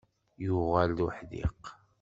Yuɣal d uḥdiq.